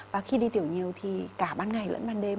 và khi đi tiểu nhiều thì cả ban ngày lẫn ban đêm